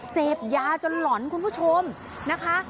เสพยาจนหล่อนคุณผู้ชมนะคะ